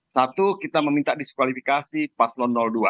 satu kita meminta diskualifikasi paslon dua